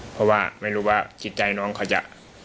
เพราะว่าไม่รู้ว่าจิตใจน้องเขาจะ